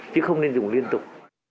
chứ không nên dùng liên tục